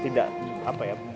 tidak apa ya